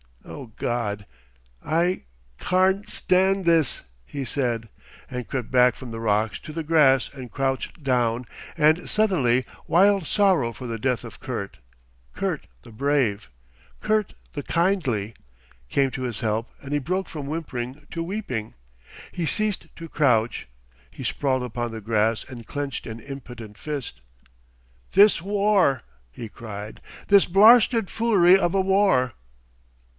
"O God! I carn' stand this," he said, and crept back from the rocks to the grass and crouched down, and suddenly wild sorrow for the death of Kurt, Kurt the brave, Kurt the kindly, came to his help and he broke from whimpering to weeping. He ceased to crouch; he sprawled upon the grass and clenched an impotent fist. "This war," he cried, "this blarsted foolery of a war.